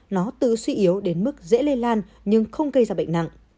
nó tự suy yếu đến mức dễ lây lan nhưng không gây ra bệnh nặng